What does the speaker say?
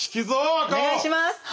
お願いします。